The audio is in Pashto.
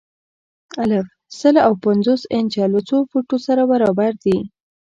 الف: سل او پنځوس انچه له څو فوټو سره برابر دي؟